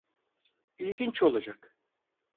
İlginç olacak.